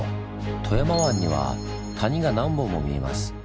富山湾には谷が何本も見えます。